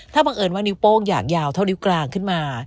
ถ้าบังเอิญว่านิ้วโป้งอยากยาวเท่านิ้วกลางขึ้นมา